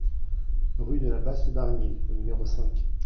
Rue de la Basse Vergnée au numéro cinq